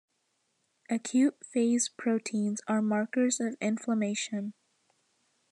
Acute phase proteins are markers of inflammation.